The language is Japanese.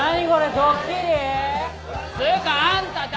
ドッキリ？つうかあんた誰？